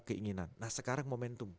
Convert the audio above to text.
keinginan nah sekarang momentum